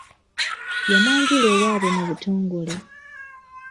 Yamwanjula ewaabwe mu butongole.